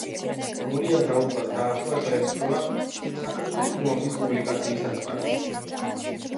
ილიას და ოლღას დაახლოება ემთხვევა „საქართველოს მოამბის“ პუბლიკაციის ასპარეზს.